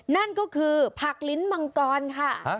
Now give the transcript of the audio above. นั่นก็คือผักลิ้นมังกรค่ะ